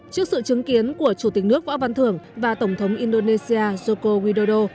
trước sự chứng kiến của chủ tịch nước võ văn thường và tổng thống indonesia yoko widodo